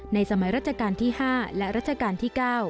สมัยราชการที่๕และรัชกาลที่๙